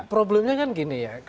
problemnya kan gini ya